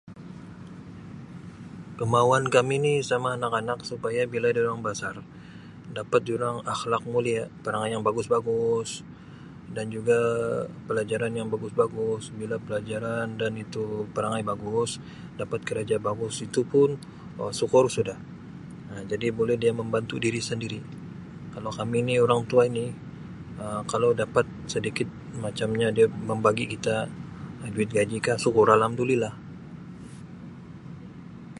Kemahuan kami ni sama anak-anak supaya bila dorang basar dapat dorang akhlak mulia perangai yang bagus-bagus dan juga pelajaran yang bagus-bagus bila pelajaran dan itu perangai bagus dapat keraja bagus itu pun Um sukur suda Um jadi bole dia membantu diri sendiri kalau kami ni orang tua ini Um kalau dapat sedikit macam nya dia membagi kita Um duit gaji kah sukur Alhamdulillah.